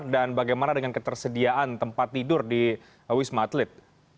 dan bagaimana dengan ketersediaan tempat tidur di wisma atlet